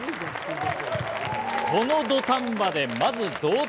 この土壇場でまず同点。